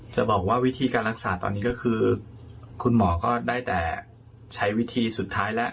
จะบอกว่าวิธีการรักษาตอนนี้ก็คือคุณหมอก็ได้แต่ใช้วิธีสุดท้ายแล้ว